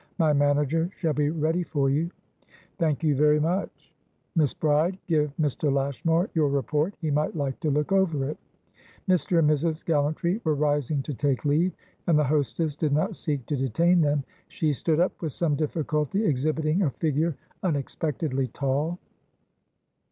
My manager shall be ready for you." "Thank you, very much." "Miss Bride, give Mr. Lashmar your Report. He might like to look over it." Mr. and Mrs. Gallantry were rising to take leave, and the hostess did not seek to detain them; she stood up, with some difficulty, exhibiting a figure unexpectedly tall.